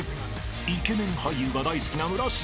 ［イケメン俳優が大好きな村重さん